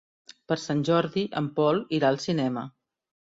Per Sant Jordi en Pol irà al cinema.